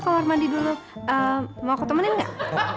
kalau mandi dulu mau aku temenin nggak